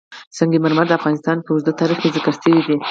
سنگ مرمر د افغانستان په اوږده تاریخ کې ذکر شوی دی.